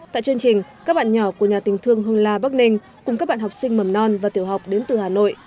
tại chương trình các bạn nhỏ của nhà tình thương hương la bắc ninh cùng các bạn học sinh mầm non và tiểu học đến từ hà nội